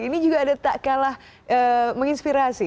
ini juga ada tak kalah menginspirasi